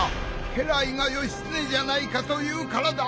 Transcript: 家来が「義経じゃないか？」と言うからだ！